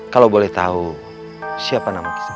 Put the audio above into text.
kalau boleh tahu siapa nama